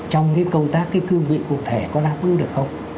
trong cái công tác cái cương vị cụ thể có đáp ứng được không